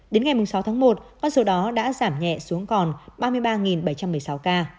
đến ngày sáu tháng một con số đó đã giảm nhẹ xuống còn ba mươi ba bảy trăm một mươi sáu ca